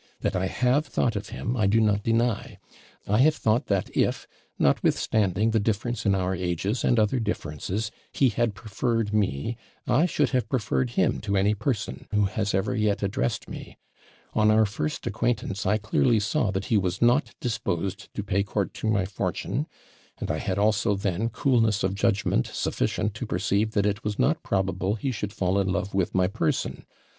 That I have thought of him, I do not deny I have thought, that if, notwithstanding the difference in our ages, and other differences, he had preferred me, I should have preferred him to any person who has ever yet addressed me. On our first acquaintance, I clearly saw that he was not disposed to pay court to my fortune; and I had also then coolness of judgment sufficient to perceive that it was not probable he should fall in love with my person.